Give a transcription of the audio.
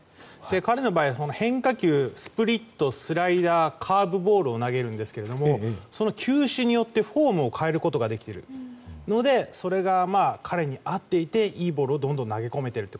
彼の場合は変化球、スプリットスライダー、カーブボールを投げるんですが球種によってフォームを変えることができているのでそれが彼にあっていていいボールをどんどん投げ込めていると。